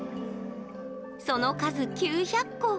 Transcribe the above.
その数９００個。